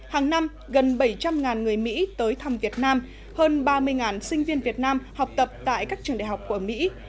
hàng năm gần bảy trăm linh người mỹ tới thăm việt nam hơn ba mươi sinh viên việt nam học tập tại các trường đại học của mỹ